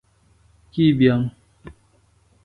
کی بئانوۡ؟